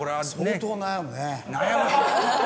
相当悩むね。